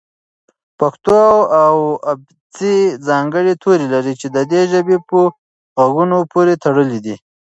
پښتو ابېڅې ځانګړي توري لري چې د دې ژبې په غږونو پورې تړلي دي.